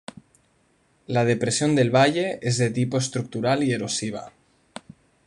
La depresión del valle es de tipo estructural y erosiva.